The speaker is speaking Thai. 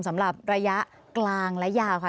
สำหรับระยะกลางและยาวค่ะ